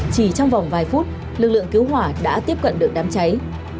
chỉ trong vòng vài phút lực lượng cứu hỏa đã tiếp cận được đám cháy